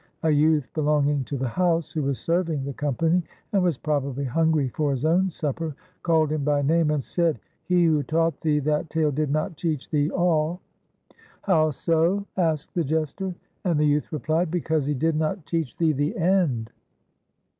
A youth belonging to the house, who was serving the company and was prob ably hungry for his own supper, called him by name and said — "'He who taught thee that tale did not teach thee all.' "'How so?' asked the jester. "And the youth replied, 'Because he did not teach thee the end.'"